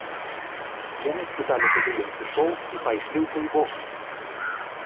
Яны спыталі, куды ён сышоў, і пайшлі ў той бок.